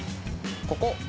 ここ